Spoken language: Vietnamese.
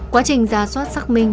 quá trình ra soát xác minh